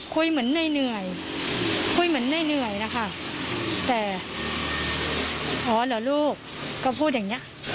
คุยเหมือนเหนื่อยนะคะแต่อ๋อเหรอลูกก็พูดอย่างเนี้ย